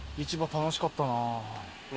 楽しかった。